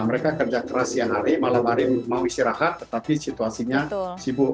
mereka kerja keras siang hari malam hari mau istirahat tetapi situasinya sibuk